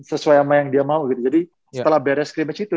sesuai sama yang dia mau gitu jadi setelah beres scrimmage itu